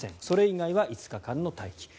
それ以外は５日間の待機。